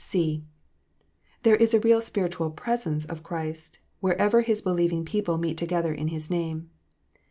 (c) There is a real spiritual " presence " of Christ wherever His believing people meet together in His name.